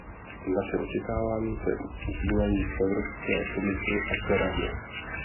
Naše očekávání se upínají k Evropské komisi a k Radě.